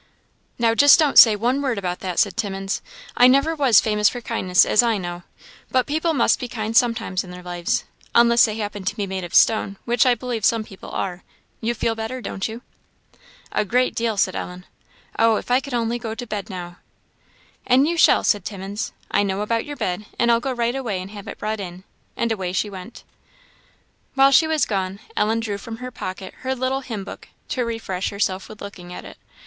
"Now just don't say one word about that," said Timmins "I never was famous for kindness, as I know; but people must be kind sometimes in their lives unless they happen to be made of stone, which I believe some people are. You feel better, don't you?" "A great deal," said Ellen. "Oh, if I only could go to bed now!" "And you shall," said Timmins. "I know about your bed, and I'll go right away and have it brought in." And away she went. While she was gone, Ellen drew from her pocket her little hymn book, to refresh herself with looking at it.